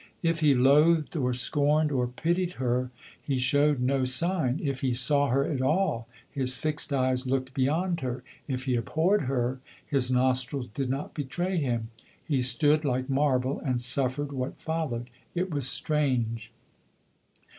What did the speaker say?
If he loathed, or scorned, or pitied her, he showed no sign; if he saw her at all his fixed eyes looked beyond her; if he abhorred her, his nostrils did not betray him. He stood like marble and suffered what followed. It was strange.